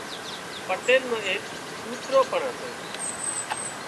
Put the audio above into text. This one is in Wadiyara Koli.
پٽيل نو ايڪ ڪوترو پڻ هتو